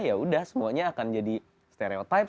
ya udah semuanya akan jadi stereotype